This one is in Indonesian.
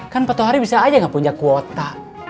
kan patuhari bisa aja gak punya kuota